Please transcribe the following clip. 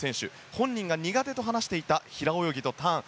本人が苦手と話していた平泳ぎとターン